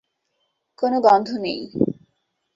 কোন গন্ধ নেই।